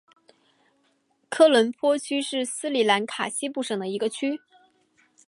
科伦坡区是斯里兰卡西部省的一个区。